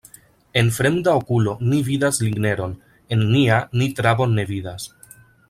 En fremda okulo ni vidas ligneron, en nia ni trabon ne vidas.